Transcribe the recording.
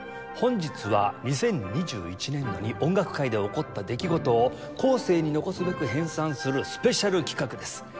本日は２０２１年度に音楽界で起こった出来事を後世に残すべく編纂するスペシャル企画です。